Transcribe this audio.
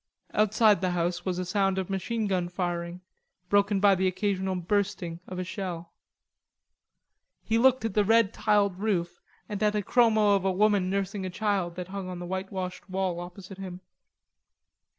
Outside the house was a sound of machine gun firing, broken by the occasional bursting; of a shell. He looked at the red tiled roof and at a chromo of a woman nursing a child that hung on the whitewashed wall opposite him.